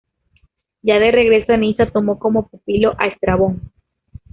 Ya de regreso a Nisa tomó como pupilo a Estrabón.